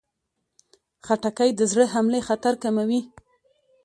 خټکی د زړه حملې خطر کموي.